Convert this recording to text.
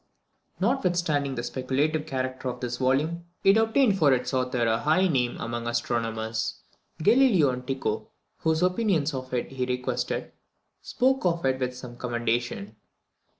Notwithstanding the speculative character of this volume, it obtained for its author a high name among astronomers. Galileo and Tycho, whose opinions of it he requested, spoke of it with some commendation.